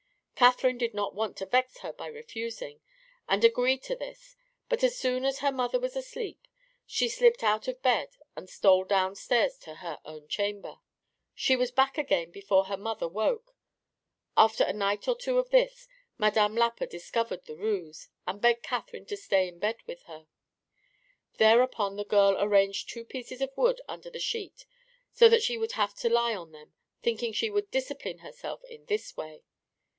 Catherine did not want to vex her by refusing, and agreed to this, but as soon as her mother was asleep she slipped out of bed and stole down stairs to her own chamber. She was back again before her mother woke. After a night or two of this Madame Lapa discovered the ruse, and begged Catherine to stay in bed with her. Thereupon the girl arranged two pieces of wood under the sheet so that she would have to lie on them, thinking she would discipline herself in this way.